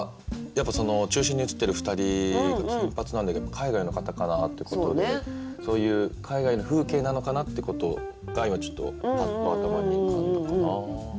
中心に写ってる２人が金髪なんだけど海外の方かなっていうことでそういう海外の風景なのかなってことが今パッと頭に浮かんだかな。